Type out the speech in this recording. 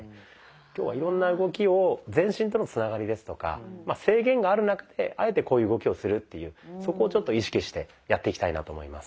今日はいろんな動きを全身とのつながりですとか制限がある中であえてこういう動きをするっていうそこをちょっと意識してやっていきたいなと思います。